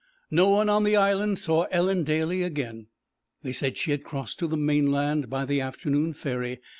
No one on the Island saw Ellen Daly again; they said she had crossed to the mainland by the afternoon ferry.